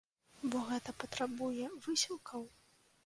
Бо гэта патрабуе высілкаў?